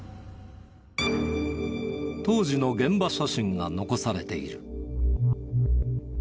当時の現場写真が残されている。